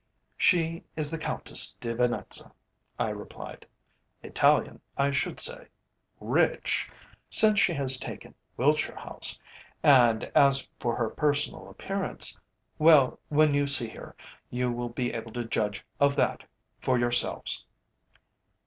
"She is the Countess de Venetza," I replied. "Italian, I should say; rich since she has taken Wiltshire House; and as for her personal appearance well, when you see her, you will be able to judge of that for yourselves."